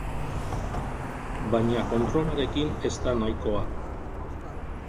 Baina kontrolarekin ez da nahikoa.